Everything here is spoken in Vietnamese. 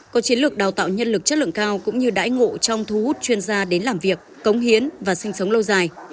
có chiến lược đào tạo nhân lực chất lượng cao cũng như đãi ngộ trong thu hút chuyên gia đến làm việc cống hiến và sinh sống lâu dài